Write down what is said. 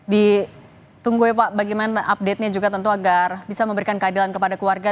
ditunggu ya pak bagaimana update nya juga tentu agar bisa memberikan keadilan kepada keluarga